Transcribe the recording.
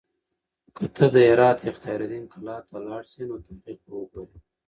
که ته د هرات اختیار الدین کلا ته لاړ شې نو تاریخ به وګورې.